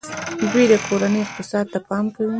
دوی د کورنۍ اقتصاد ته پام کوي.